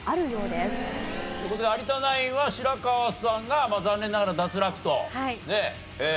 という事で有田ナインは白河さんが残念ながら脱落という事で。